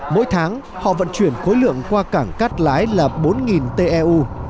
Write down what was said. mỗi tháng họ vận chuyển khối lượng qua cảng cát lái là bốn teu